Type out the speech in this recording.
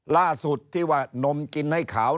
ล่าสุดที่ว่านมกินให้ขาว